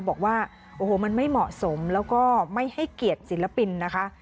บอกว่าโอ้โหมันไม่เหมาะสมแล้วก็ไม่ให้เกียรติศิลปินนะคะ